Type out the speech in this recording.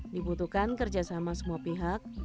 dibutuhkan kerjasama semua pihak untuk menjaga kemampuan